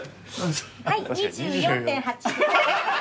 はい２４．８。